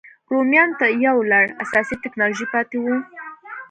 رومیانو ته یو لړ اساسي ټکنالوژۍ پاتې وو.